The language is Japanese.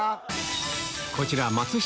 こちら松下